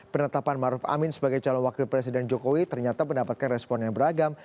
penetapan maruf amin sebagai calon wakil presiden jokowi ternyata mendapatkan respon yang beragam